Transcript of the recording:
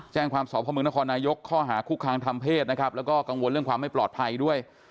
แจ้งความสอบพ่อเมืองนครนายกข้อหาคุกคามทางเพศนะครับแล้วก็กังวลเรื่องความไม่ปลอดภัยด้วย